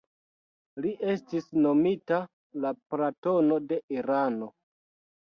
Li estis nomita «la Platono de Irano».